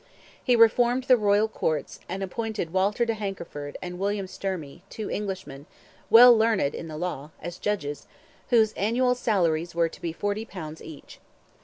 He reformed the royal courts, and appointed Walter de Hankerford and William Sturmey, two Englishmen, "well learned in the law" as judges, whose annual salaries were to be forty pounds each.